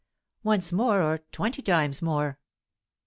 "Once more, or twenty times more."